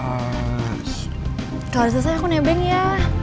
kalau dari selesai aku nebeng ya